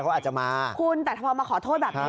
เขาอาจจะมาคุณแต่ถ้าพอมาขอโทษแบบนี้